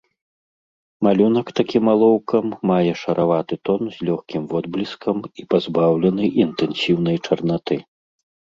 Малюнак такім алоўкам мае шараваты тон з лёгкім водбліскам і пазбаўлены інтэнсіўнай чарнаты.